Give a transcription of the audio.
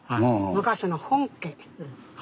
昔の本家。